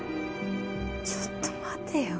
ちょっと待てよ。